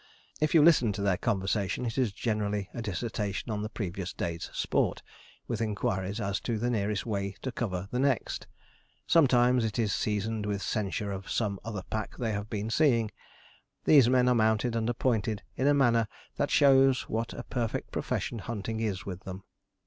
If you listen to their conversation, it is generally a dissertation on the previous day's sport, with inquiries as to the nearest way to cover the next. Sometimes it is seasoned with censure of some other pack they have been seeing. These men are mounted and appointed in a manner that shows what a perfect profession hunting is with them.